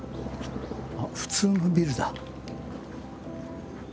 あっ普通のビルだ。